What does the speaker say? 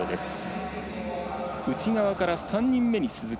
内側から３人目に鈴木。